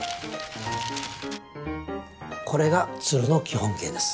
これが鶴の基本形です。